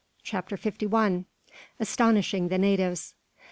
CHAPTER FIFTY ONE. ASTONISHING THE NATIVES.